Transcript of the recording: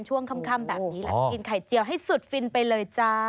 ช่วงค่ำแบบนี้แหละกินไข่เจียวให้สุดฟินไปเลยจ้า